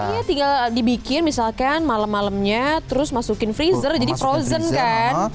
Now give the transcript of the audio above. iya tinggal dibikin misalkan malam malamnya terus masukin freezer jadi frozen kan